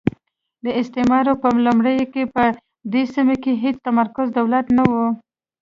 د استعمار په لومړیو کې په دې سیمه کې هېڅ متمرکز دولت نه وو.